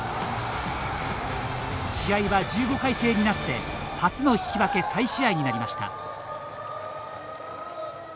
試合は１５回制になって初の引き分け再試合になりました。